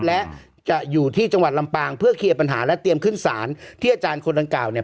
และจะอยู่ที่จังหวัดลำปางเพื่อเคลียร์ปัญหาและเตรียมขึ้นศาลที่อาจารย์คนดังกล่าวเนี่ย